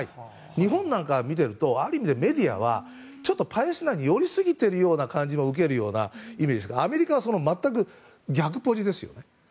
日本なんかを見ているとある意味でメディアはパレスチナに寄りすぎているような感じを受けますがアメリカはその全く逆ポジですよね。